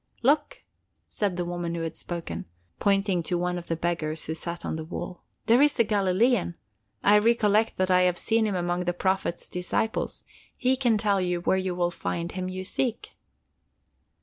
"Look," said the woman who had spoken, pointing to one of the beggars who sat on the wall, "there is a Galilean! I recollect that I have seen him among the Prophet's disciples. He can tell you where you will find him you seek."